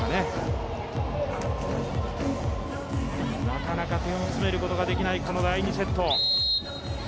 なかなか点を詰めることができない第２セット。